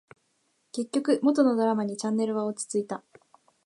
結局、元のドラマにチャンネルは落ち着いた